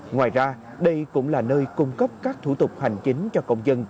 ngoài ra đây cũng là nơi cung cấp các thủ tục hành chính cho công dân